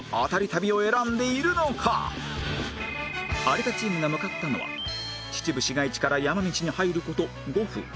有田チームが向かったのは秩父市街地から山道に入る事５分